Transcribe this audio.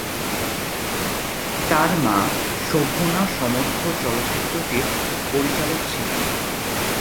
তার মা শোভনা সমর্থ চলচ্চিত্রটির পরিচালক ছিলেন।